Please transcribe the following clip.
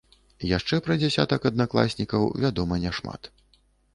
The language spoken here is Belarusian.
Яшчэ пра дзясятак аднакласнікаў вядома няшмат.